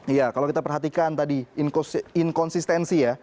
iya kalau kita perhatikan tadi inkonsistensi ya